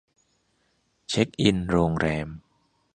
เช็กอินโรงแรม